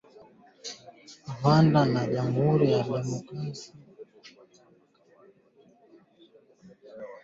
Rwanda na Jamhuri ya Demokrasia ya Kongo zilishirikiana katika mikakati ya kijeshi miaka miwili iliyopita